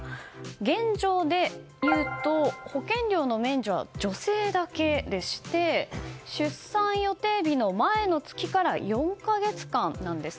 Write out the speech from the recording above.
現状でいうと、保険料の免除は女性だけでして出産予定日の前の月から４か月間なんです。